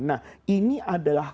nah ini adalah